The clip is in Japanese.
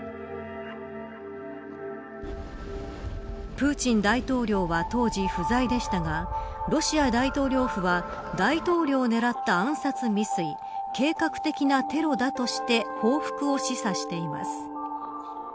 プーチン大統領は当時不在でしたがロシア大統領府は大統領を狙った暗殺未遂計画的なテロだとして報復を示唆しています。